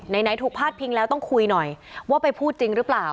ไหนถูกพาดพิงแล้วต้องคุยหน่อยว่าไปพูดจริงหรือเปล่า